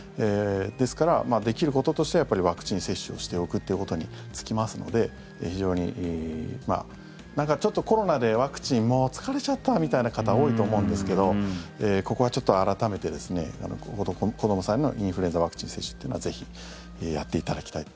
ですから、できることとしてはやっぱりワクチン接種をしておくということに尽きますので非常になんかちょっとコロナでワクチンもう疲れちゃったみたいな方多いと思うんですけどここはちょっと改めて子どもさんへのインフルエンザワクチン接種というのはぜひやっていただきたい。